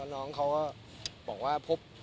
น้องเขาก็บอกว่าพบ